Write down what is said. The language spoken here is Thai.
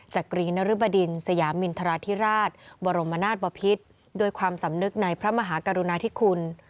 กรีนรึบดินสยามินทราธิราชบรมนาศบพิษด้วยความสำนึกในพระมหากรุณาธิคุณ